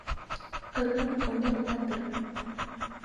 Ҡыҙым уны уйнатыр.